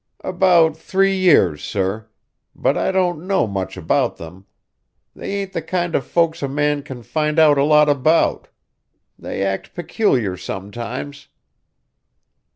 "About three years, sir. But I don't know much about them. They ain't the kind of folks a man can find out a lot about. They act peculiar sometimes."